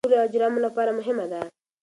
د اسمان نقشه د ټولو اجرامو لپاره مهمه ده.